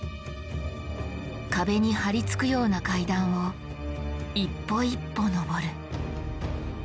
壁に張り付くような階段を一歩一歩のぼる。